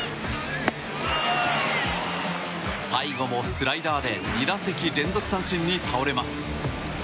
最後もスライダーで２打席連続三振に倒れます。